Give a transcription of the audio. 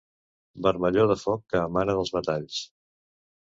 Vermellor de foc que emana dels metalls.